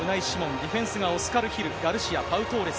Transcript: ディフェンスがオスカルヒル、ガルシア、パウ・トーレス、